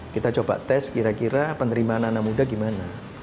kita coba tes kira kira penerimaan anak anak muda gimana